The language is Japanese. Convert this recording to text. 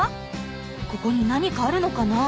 ここに何かあるのかなぁ？